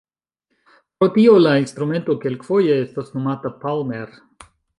Pro tio la instrumento kelkfoje estas nomata "palmer".